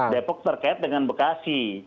depok terkait dengan bekasi